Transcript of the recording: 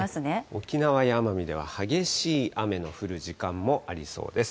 沖縄や奄美では、激しい雨の降る時間もありそうです。